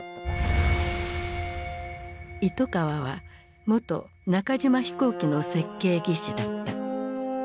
糸川は元中島飛行機の設計技師だった。